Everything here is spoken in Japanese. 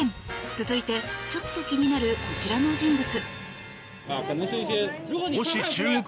続いて、ちょっと気になるこちらの人物。